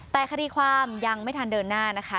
แต่คดีความยังไม่ทันเดินหน้านะคะ